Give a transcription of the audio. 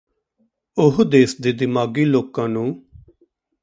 ਉਹ ਦੇਸ ਦੇ ਦਿਮਾਗੀ ਲੋਕਾਂ ਨੂੰ